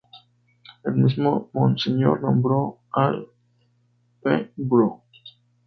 El mismo Monseñor nombró al Pbro.